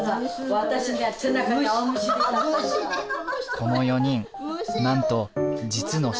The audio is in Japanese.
この４人なんと実の姉妹。